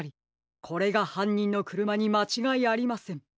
これがはんにんのくるまにまちがいありません。